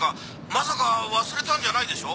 まさか忘れたんじゃないでしょ？